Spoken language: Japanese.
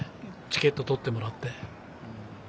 チケットを取ってもらって。